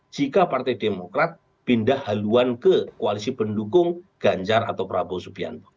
jika partai demokrat pindah haluan ke koalisi pendukung ganjar atau prabowo subianto